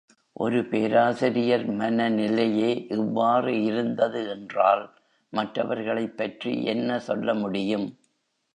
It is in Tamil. ஒரு பேராசிரியர் மனநிலேயே இவ்வாறு இருந்தது என்றால், மற்றவர்களைப் பற்றி என்ன சொல்ல முடியும்?